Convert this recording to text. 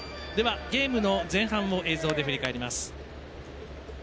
ゲームの前半を映像で振り返ります。